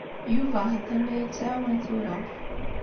Yuba ha-t-an la iyi-yettɛawan tura.